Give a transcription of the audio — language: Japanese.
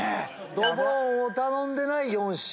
ドボンを頼んでない４品